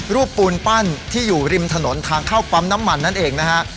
ปูนปั้นที่อยู่ริมถนนทางเข้าปั๊มน้ำมันนั่นเองนะฮะ